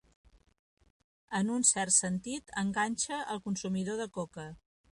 En un cert sentit, enganxa al consumidor de coca.